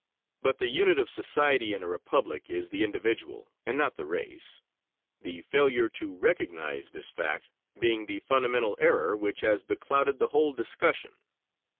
But the unit of society in a republic is the individual, and not the race, the failure to recognize this fact being the fundamental error which has beclouded the whole discussion.